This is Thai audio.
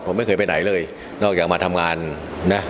ผมไม่เคยไปไหนเลยนอกจากมาทำงานนะ